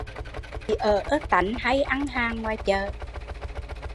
Chị ở tánh hay ăn hàng ngoài chợ